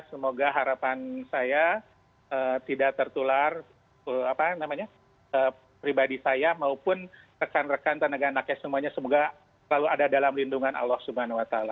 semoga harapan saya tidak tertular pribadi saya maupun rekan rekan tenaga anaknya semuanya semoga selalu ada dalam lindungan allah swt